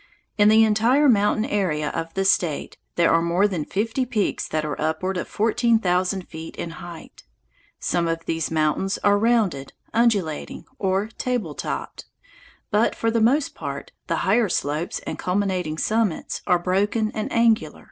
In the entire mountain area of the State there are more than fifty peaks that are upward of fourteen thousand feet in height. Some of these mountains are rounded, undulating, or table topped, but for the most part the higher slopes and culminating summits are broken and angular.